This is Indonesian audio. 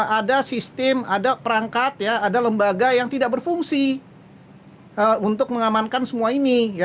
ada sistem ada perangkat ada lembaga yang tidak berfungsi untuk mengamankan semua ini